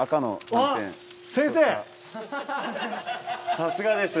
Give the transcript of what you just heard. さすがです。